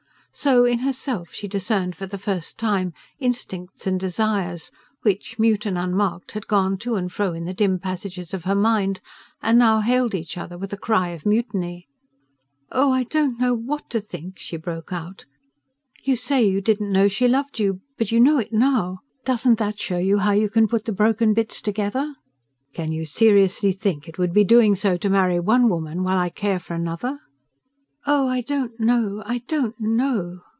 So, in herself, she discerned for the first time instincts and desires, which, mute and unmarked, had gone to and fro in the dim passages of her mind, and now hailed each other with a cry of mutiny. "Oh, I don't know what to think!" she broke out. "You say you didn't know she loved you. But you know it now. Doesn't that show you how you can put the broken bits together?" "Can you seriously think it would be doing so to marry one woman while I care for another?" "Oh, I don't know...I don't know..."